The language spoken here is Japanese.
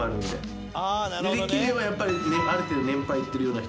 できればやっぱりある程度年配いってるような人。